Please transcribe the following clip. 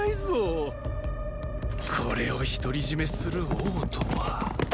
これを独り占めする王とは。